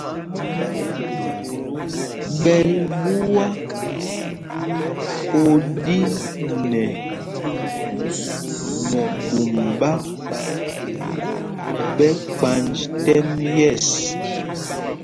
Ɓɛ́l ɓuá o ɗí nɛ mɛbûm ɓák ɓɛ kpanj tɛ́m yɛ̂ɛs.